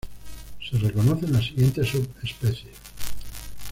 Se reconocen las siguientes subespecies.